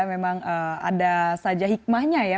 memang ada saja hikmahnya ya